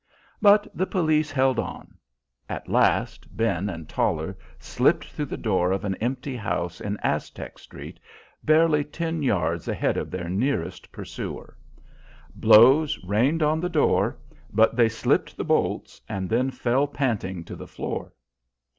But the police held on. At last Ben and Toller slipped through the door of an empty house in Aztec Street barely ten yards ahead of their nearest pursuer. Blows rained on the door, but they slipped the bolts, and then fell panting to the floor.